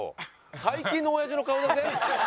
最近の親父の顔だぜ？